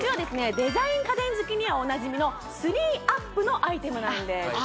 デザイン家電好きにはおなじみのＴＨＲＥＥＵＰのアイテムなんです